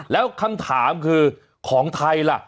แล้วคำถามคือของไทยล่ะ